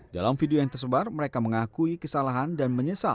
dalam video yang tersebar mereka mengakui kesalahan dan menyesal